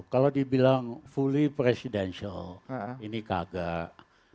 kalau dibilang fully presidential ini kagak